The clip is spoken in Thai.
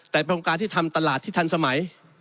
แต่เป็นการที่ทำตลาดที่ทันสมัย